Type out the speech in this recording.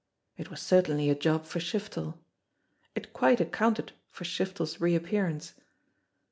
It was certainly a job for Shiftel! It quite accounted for Shiftel's reappearance